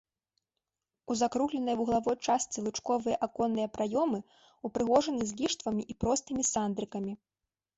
У закругленай вуглавой частцы лучковыя аконныя праёмы ўпрыгожаны з ліштвамі і простымі сандрыкамі.